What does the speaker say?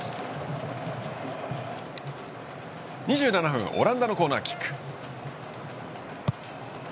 ２７分オランダのコーナーキック。